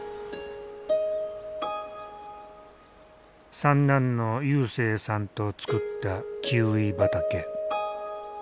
三男の勇征さんと作ったキウイ畑。